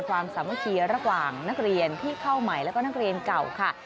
สามัคคีระหว่างนักเรียนที่เข้าใหม่แล้วก็นักเรียนเก่าค่ะ